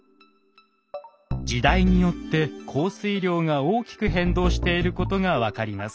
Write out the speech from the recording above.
時代によって降水量が大きく変動していることが分かります。